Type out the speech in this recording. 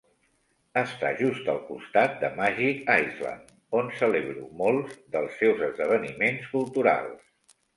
Està just al costat de "Magic Island" on celebro molts dels seus esdeveniments culturals.